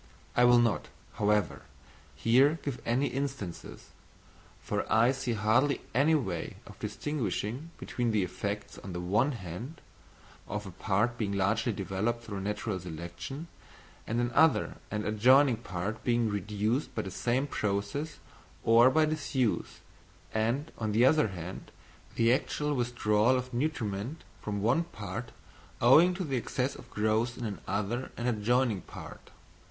I will not, however, here give any instances, for I see hardly any way of distinguishing between the effects, on the one hand, of a part being largely developed through natural selection and another and adjoining part being reduced by the same process or by disuse, and, on the other hand, the actual withdrawal of nutriment from one part owing to the excess of growth in another and adjoining part.